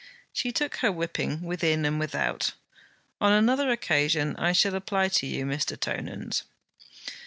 She took her whipping within and without. 'On another occasion I shall apply to you, Mr. Tonans.'